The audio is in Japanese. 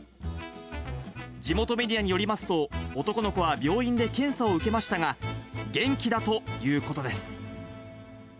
地元メディアによりますと、男の子は病院で検査を受けましたが、元気だということです。